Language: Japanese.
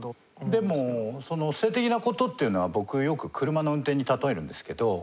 でもその性的な事っていうのは僕よく車の運転に例えるんですけど。